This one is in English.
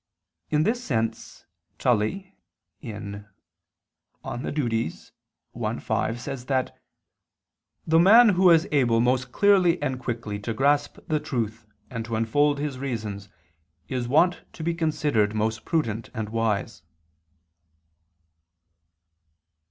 In this sense Tully (De Offic. i, 5) says that "the man who is able most clearly and quickly to grasp the truth and to unfold his reasons, is wont to be considered most prudent and wise."